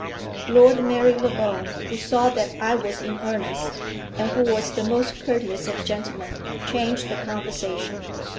Lord Marylebone, who saw that I was in earnest, and who was the most courteous of gentlemen, changed the conversation.